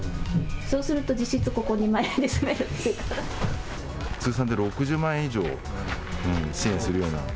そうすると実質ここ、通算で６０万円以上、支援するような。